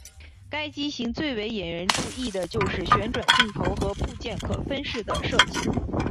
该机型最为引人注意的就是旋转镜头和部件可分式的设计。